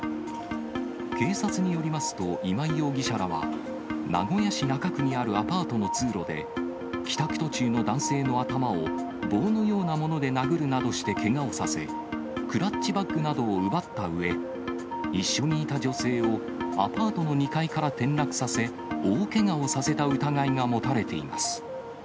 警察によりますと、今井容疑者らは、名古屋市中区にあるアパートの通路で、帰宅途中の男性の頭を棒のようなもので殴るなどしてけがをさせ、クラッチバッグなどを奪ったうえ、一緒にいた女性をアパートの２階から転落させ、大けがをさせた疑いが持たれています。